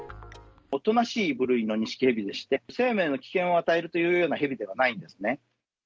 おとなしい部類のニシキヘビでして、生命の危険を与えるというようなヘビではないんですね。